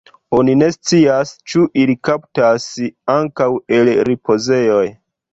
Oni ne scias ĉu ili kaptas ankaŭ el ripozejoj.